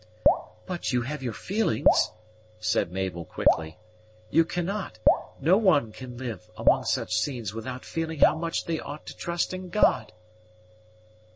"But you have your feelings!" said Mabel quickly. "You cannot no one can live among such scenes without feeling how much they ought to trust in God!"